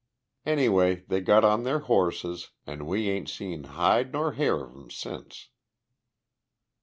Anyway, they got on their horses an' we ain't seen hide nor hair of 'em since."